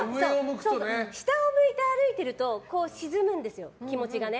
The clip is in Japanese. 下を向いて歩いていると沈むんですよ、気持ちがね。